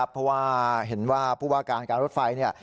เพราะว่าเห็นว่าผู้ว่าการการรถไฟ